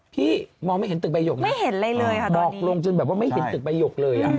พี่มองไม่เห็นตึกใบหยกบอกลงจนไม่เห็นตึกใบหยกเลย